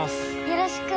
よろしく！